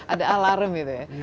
ada alarm gitu ya